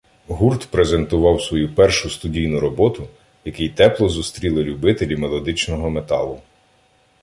гурт презентував свою першу студійну роботу, який тепло зустріли любителі мелодичного металу.